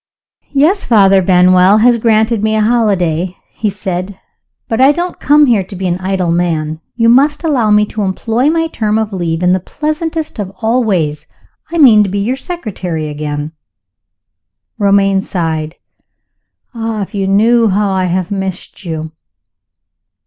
"Yes. Father Benwell has granted me a holiday," he said; "but I don't come here to be an idle man. You must allow me to employ my term of leave in the pleasantest of all ways. I mean to be your secretary again." Romayne sighed. "Ah, if you knew how I have missed you!"